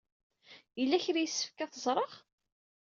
Yella kra i yessefk ad t-ẓreɣ?